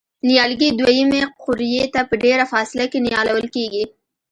نیالګي دوه یمې قوریې ته په ډېره فاصله کې نیالول کېږي.